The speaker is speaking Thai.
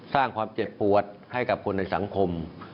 สร้างความเจ็บปวดให้กับคนในสังคม